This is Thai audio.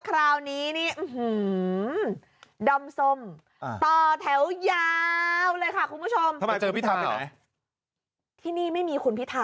คราวนี้นี่